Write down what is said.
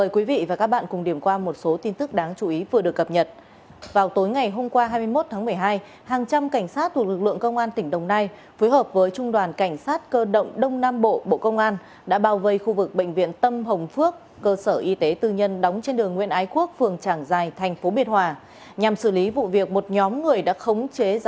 các bạn hãy đăng ký kênh để ủng hộ kênh của chúng mình nhé